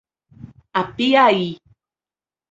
Apiaí